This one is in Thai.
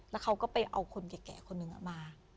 แล้วเขาก็ไปเอาคนแก่คนหนึ่งมา